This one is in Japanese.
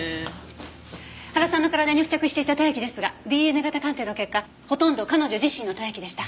原さんの体に付着していた体液ですがＤＮＡ型鑑定の結果ほとんど彼女自身の体液でした。